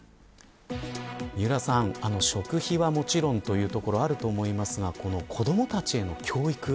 食費はもちろんというところあると思いますが子どもたちへの教育。